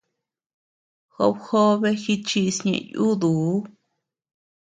Job jobe jichis ñeʼe yuduu.